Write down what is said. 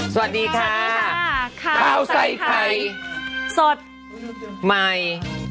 สวัสดีค่ะข้าวใส่ไข่สดใหม่